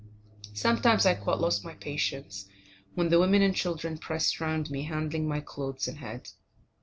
Sometimes I quite lost my patience, when the women and children pressed round me, handling my clothes and head.